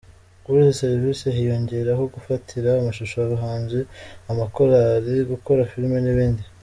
Kuri izi servisi hiyongeraho gufatira amashusho abahanzi, amakorali, gukora filime n’ibindi.